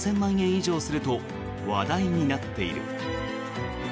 以上すると話題になっている。